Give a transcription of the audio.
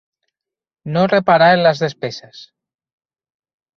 No reparar en les despeses.